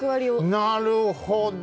なるほど。